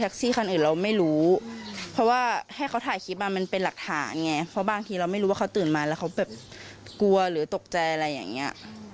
เขาแบบกลัวหรือตกใจอะไรอย่างนี้